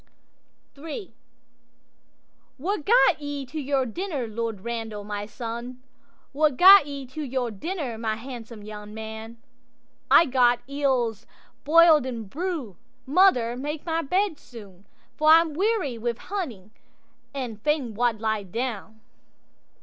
'III'What gat ye to your dinner, Lord Randal, my son? What gat ye to your dinner, my handsome young man?'—'I gat eels boil'd in broo'; mother, make my bed soon, For I'm weary wi' hunting, and fain wald lie down.